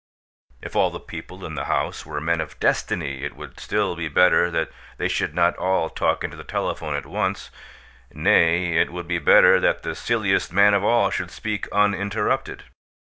If all the people in the house were men of destiny it would still be better that they should not all talk into the telephone at once; nay, it would be better that the silliest man of all should speak uninterrupted.